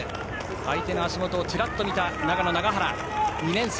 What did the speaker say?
相手の足元をチラッと見た長野の永原、２年生。